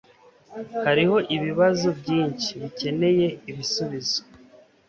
Hariho ibibazo byinshi bikeneye ibisubizo